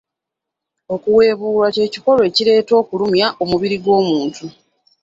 Okuwebuula kikolwa ekireeta okulumya omubiri gw'omuntu.